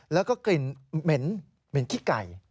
แล้วก็กลิ่นเหม็นขี้ไก่